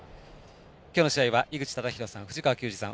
今日の試合は井口資仁さん、藤川球児さん